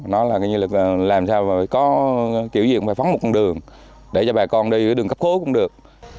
nó là như là làm sao mà có kiểu gì cũng phải phóng một con đường để cho bà con đi đường cấp khối cũng được